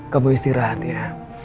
kamu istirahat ya